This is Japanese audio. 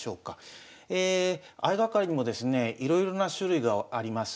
相掛かりにもですねいろいろな種類があります。